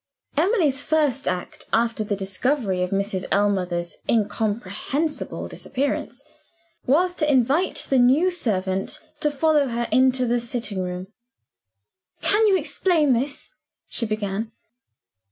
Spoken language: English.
Emily's first act after the discovery of Mrs. Ellmother's incomprehensible disappearance was to invite the new servant to follow her into the sitting room. "Can you explain this?" she began.